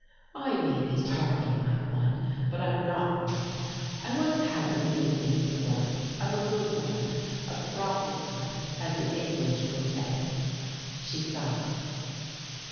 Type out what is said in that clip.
"I may be talking like one, but I'm not one. I once had the makings of one of a good one, a 'proper' one, as the English would say." She sighed.